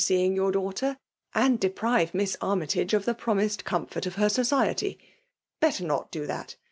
•eeidDg yoinr daughter, aad deprive Miss Ai^y* jUige of the ^paromised comfort of her sociAy. belter not do that!